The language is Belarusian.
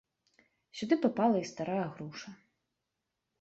Сюды папала і старая груша.